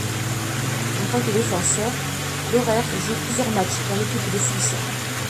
En tant que défenseur, Lohrer joue plusieurs matches dans l'équipe de Suisse.